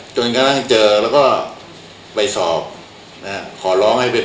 จนกำลังเจอแล้วก็ไปสอบนะฮะขอร้องให้เป็นครับ